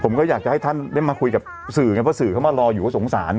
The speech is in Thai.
ผมก็อยากจะให้ท่านได้มาคุยกับสื่อไงเพราะสื่อเขามารออยู่ก็สงสาร